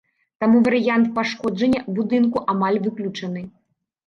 Таму варыянт пашкоджання будынку амаль выключаны.